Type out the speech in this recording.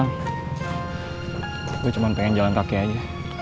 gue cuman pengen jalan rakyat aja